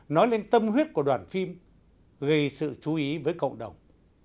nói lên tâm huyết của đoàn phim gây sự chú ý với cộng đồng